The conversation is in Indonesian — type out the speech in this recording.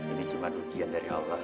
ini cuma dukian dari allah ya